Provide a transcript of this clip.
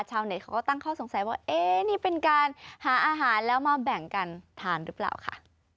เขาก็ตั้งข้อสงสัยว่าเอ๊ะนี่เป็นการหาอาหารแล้วมาแบ่งกันทานหรือเปล่าค่ะ